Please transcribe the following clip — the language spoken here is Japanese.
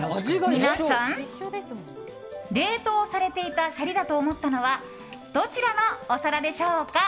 皆さん、冷凍されていたシャリだと思ったのはどちらのお皿でしょうか？